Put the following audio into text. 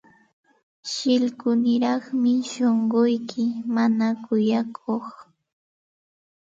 Shillkuniraqmi shunquyki, mana kuyakuq.